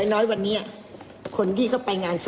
๓๐ล้านทิพย์